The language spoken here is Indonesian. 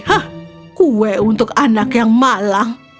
ah kue untuk anak yang malang